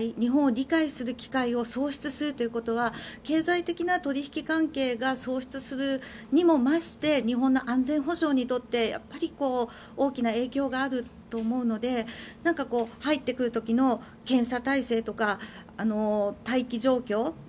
日本を理解する機会を喪失するということは経済的な取引関係が喪失するにもまして日本の安全保障にとってやっぱり大きな影響があると思うので入ってくる時の検査体制とか待機状況。